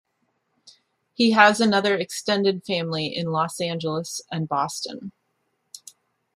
He has another extended family in Los Angeles and Boston.